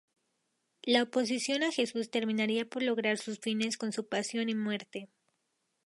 La oposición a Jesús terminaría por lograr sus fines con su pasión y muerte.